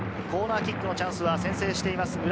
コーナーキックのチャンスは先制しています。